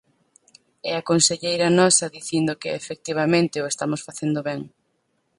E a conselleira nosa dicindo que, efectivamente, o estamos facendo ben.